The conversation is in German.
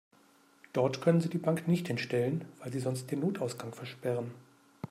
Dort können Sie die Bank nicht hinstellen, weil Sie sonst den Notausgang versperren.